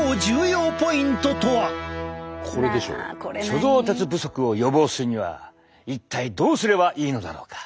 貯蔵鉄不足を予防するには一体どうすればいいのだろうか。